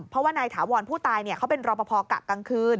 เพราะว่านายถาวรผู้ตายเขาเป็นรอปภกะกลางคืน